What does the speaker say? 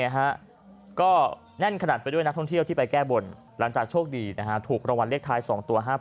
หลังจากโชคดีถูกระวัลเลขท้าย๒ตัว๕๘